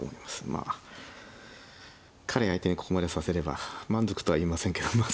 まあ彼相手にここまで指せれば満足とは言いませんけどまあ